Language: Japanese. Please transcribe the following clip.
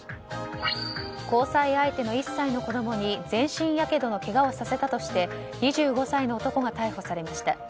交際相手の１歳の子供に全身やけどのけがをさせたとして２５歳の男が逮捕されました。